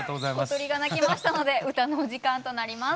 小鳥が鳴きましたので歌のお時間となります。